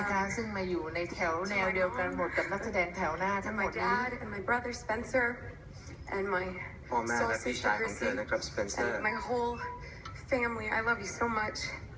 ที่มาอยู่ในแถวแนวเดียวกันหมด